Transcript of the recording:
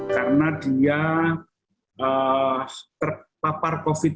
karena dia terpapar covid sembilan belas